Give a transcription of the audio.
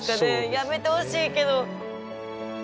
やめてほしいけど。